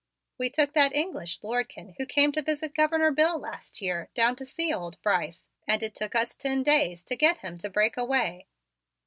We took that English Lordkin, who came to visit Governor Bill last year, down to see old Brice, and it took us ten days to get him to break away."